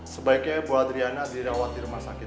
sebaiknya bu adriana dirawat dirumah sakit